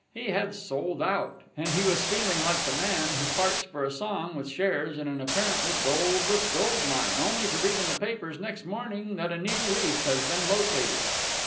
He had sold out, and he was feeling like the man who parts for a song with shares in an apparently goldless gold mine, only to read in the papers next morning that a new reef has been located.